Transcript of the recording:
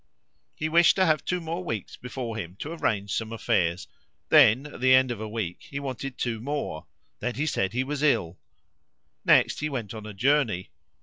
He wished to have two more weeks before him to arrange some affairs; then at the end of a week he wanted two more; then he said he was ill; next he went on a journey.